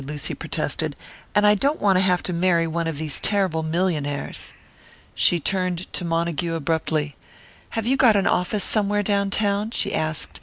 Lucy protested. "And I don't want to have to marry one of these terrible millionaires." She turned to Montague abruptly. "Have you got an office somewhere down town?" she asked.